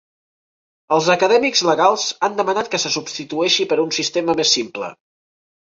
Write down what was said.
Els acadèmics legals han demanat que se substitueixi per un sistema més simple.